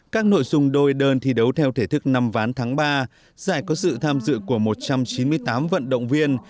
các nội dung đôi đơn thi đấu theo thể thức năm ván tháng ba giải có sự tham dự của một trăm chín mươi tám vận động viên